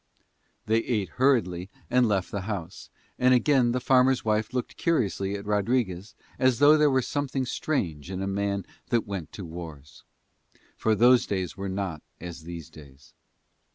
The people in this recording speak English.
They ate hurriedly and left the house, and again the farmer's wife looked curiously at Rodriguez, as though there were something strange in a man that went to wars: for those days were not as these days.